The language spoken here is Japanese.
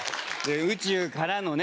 宇宙からのね